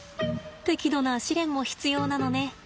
適度な試練も必要なのね。